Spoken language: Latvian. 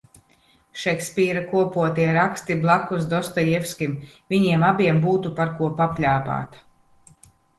Šekspīra kopotie raksti blakus Dostojevskim, viņiem abiem būtu par ko papļāpāt.